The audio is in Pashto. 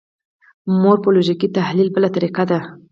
مورفولوژیکي تحلیل بله طریقه ده.